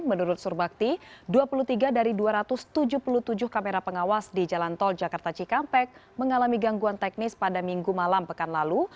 menurut surbakti dua puluh tiga dari dua ratus tujuh puluh tujuh kamera pengawas di jalan tol jakarta cikampek mengalami gangguan teknis pada minggu malam pekan lalu